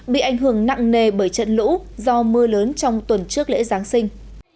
bị ảnh hưởng nặng nề bởi trận lũ do mưa lớn trong tuần trước lễ giáng sinh